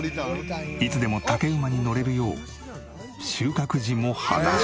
いつでも竹馬に乗れるよう収穫時も裸足。